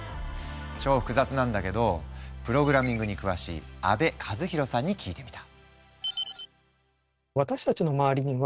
超複雑なんだけどプログラミングに詳しい阿部和広さんに聞いてみた。